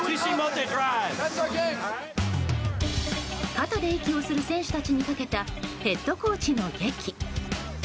肩で息をする選手たちにかけたヘッドコーチのげき。